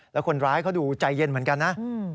แล้วคนร้ายเขาดูใจเย็นเหมือนกันนะ